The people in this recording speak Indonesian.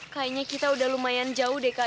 kayaknya kita udah lumayan jauh deh kak